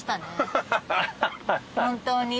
本当に。